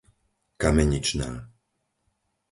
Kameničná